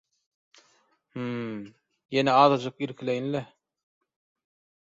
- Hmm. Ýene azajyk irkileýin-le...